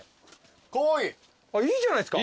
いいじゃないですか。